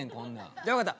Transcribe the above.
じゃあ分かった。